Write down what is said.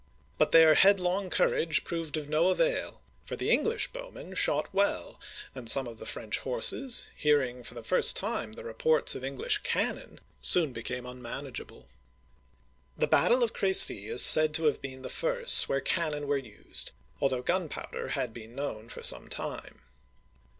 But their headlong courage proved of no avail, for the English bowmen shot well, and some of the French horses, hearing for the first time the reports of English cannon, soon became unmanageable. The battle of Cr^cy is said to have been the first where cannon were used, although gunpowder had been known for some time.